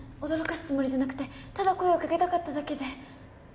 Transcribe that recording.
驚かすつもりじゃなくてただ声をかけたかっただけで。